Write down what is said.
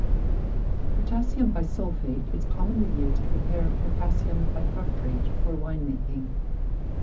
Potassium bisulfate is commonly used to prepare potassium bitartrate for winemaking.